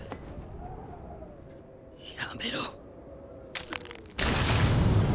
やめろっ。